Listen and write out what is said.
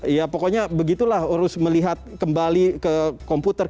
ya pokoknya begitulah urus melihat kembali ke komputer